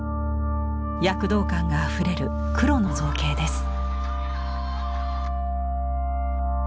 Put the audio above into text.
躍動感があふれる黒の造形です。